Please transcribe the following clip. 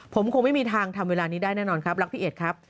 ผมคงไม่มีทางทำเวลานี้ได้แน่นอนครับรักพี่เอกครับ